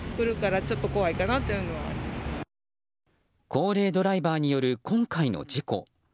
高齢ドライバーによる今回の事故。